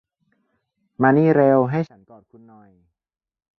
มานี่เร็ว ให้ฉันกอดคุณหน่อย